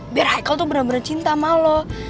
biar haikal tuh bener bener cinta sama lo